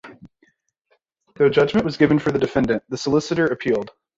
Though judgment was given for the defendant, the solicitor appealed.